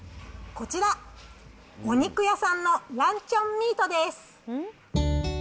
こちら、お肉屋さんのランチョンミートです。